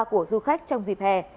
của du khách trong dịp hè